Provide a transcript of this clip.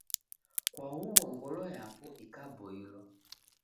Kwa huw'u ngolo yapo ikaboilwa.